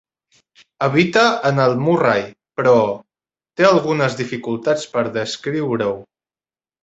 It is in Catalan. Habita en el Murray; però... té algunes dificultats per descriure-ho.